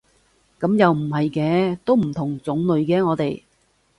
噉又唔係嘅，都唔同種類嘅我哋